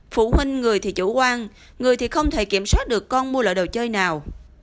phụ huynh người thì chủ quan người thì không thể kiểm soát được con mua loại đồ chơi nào